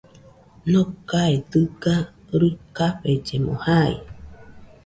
Nokae dɨga ruikafellemo jai